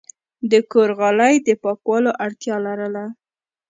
د کور غالی د پاکولو اړتیا لرله.